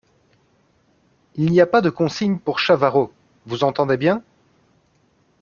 Il n’y a pas de consigne pour Chavarot, vous entendez bien ?